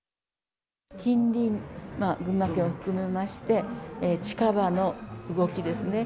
近隣、群馬県を含めまして、近場の動きですね。